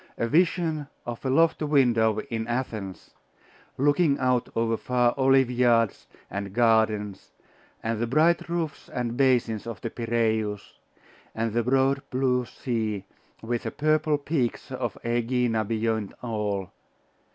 A vision of a lofty window in Athens, looking out over far olive yards and gardens, and the bright roofs and basins of the Piraeus, and the broad blue sea, with the purple peaks of Aegina beyond all....